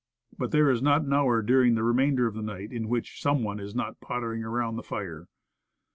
But, there is not an hour during the remainder of the night in which some one is not pot tering about the fire.